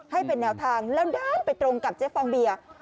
ให้เป็นแนวทางแล้วด้านไปตรงกับเจ๊ฟองเบียร์